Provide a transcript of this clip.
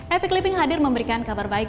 epic liping hadir memberikan kabar baik